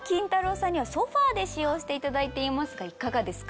さんにはソファで使用していただいていますがいかがですか？